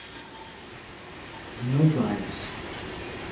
Novais